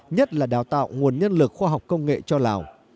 nhất là đào tạo nguồn nhân lực khoa học công nghệ cho lào